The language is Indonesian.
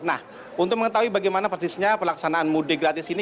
nah untuk mengetahui bagaimana persisnya pelaksanaan mudik gratis ini